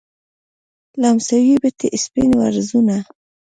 لمسوي بتې سپین وزرونه